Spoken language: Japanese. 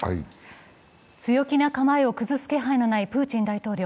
強気の構えを崩す気配のないプーチン大統領。